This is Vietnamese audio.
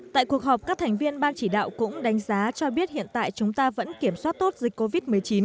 tại cuộc họp các thành viên ban chỉ đạo cũng đánh giá cho biết hiện tại chúng ta vẫn kiểm soát tốt dịch covid một mươi chín